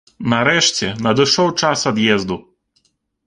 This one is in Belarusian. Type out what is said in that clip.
Нарэшце надышоў час ад'езду.